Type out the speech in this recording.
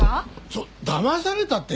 ちょっだまされたって。